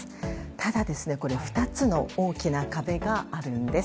ただ、２つの大きな壁があるんです。